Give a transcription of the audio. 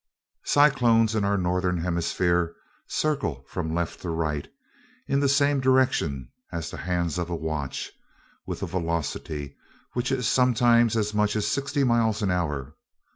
Cyclones, in our northern hemisphere, circle from left to right, in the same direction as the hands of a watch, with a velocity which is sometimes as much as sixty miles an hour.